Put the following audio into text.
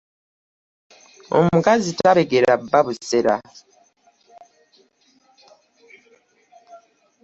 Omukazi tabegera bba busera .